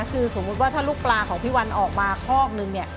คือสมมุติว่าถ้าลูกปลาของพี่วันออกมาคอกนึงเนี่ย